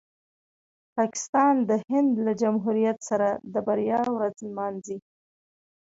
پاکستان د هند له جمهوریت سره د بریا ورځ نمانځي.